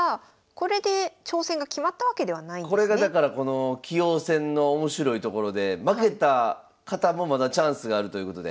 これがだから棋王戦の面白いところで負けた方もまだチャンスがあるということで。